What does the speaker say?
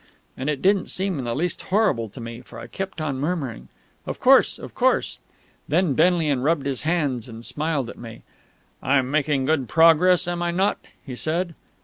And it didn't seem in the least horrible to me, for I kept on murmuring, "Of course, of course." Then Benlian rubbed his hands and smiled at me. "I'm making good progress, am I not?" he said.